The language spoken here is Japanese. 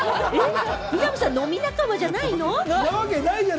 南さん、飲み仲間じゃないの？